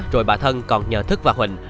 rồi bà thân còn nhờ thức và huỳnh